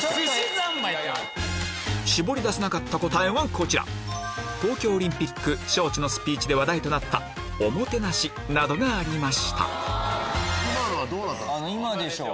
絞り出せなかった答えはこちら東京オリンピック招致のスピーチで話題となった「お・も・て・な・し」などがありました